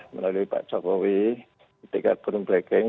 melalui pak jokowi dikartun black gang